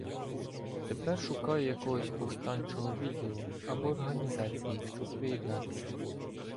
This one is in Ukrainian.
Тепер шукаю якогось повстанчого відділу або організації, щоб приєднатися.